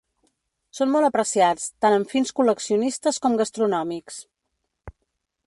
Són molt apreciats tant amb fins col·leccionistes com gastronòmics.